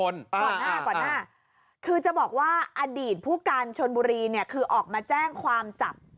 ก่อนหน้าก่อนหน้าคือจะบอกว่าอดีตผู้การชนบุรีเนี่ยคือออกมาแจ้งความจับ